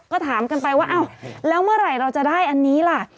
ก็ถามกันไปว่าอ้าวแล้วเมื่อไหร่เราจะได้อันนี้ล่ะ